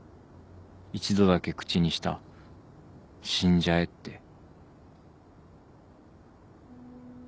一度だけ口にした「死んじゃえ」って。